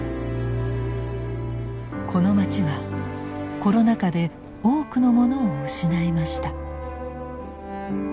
この町はコロナ禍で多くのものを失いました。